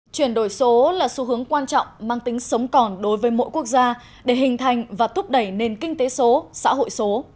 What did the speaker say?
chuyển đổi số là xu hướng quan trọng mang tính sống còn đối với mỗi quốc gia để hình thành và thúc đẩy nền kinh tế số xã hội số